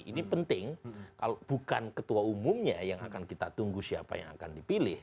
ini penting kalau bukan ketua umumnya yang akan kita tunggu siapa yang akan dipilih